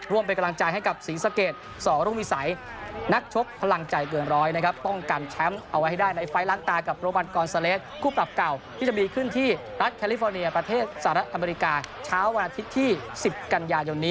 ร่วมเป็นกำลังใจให้กับสีสะเกดส่อรุ่นวิสัย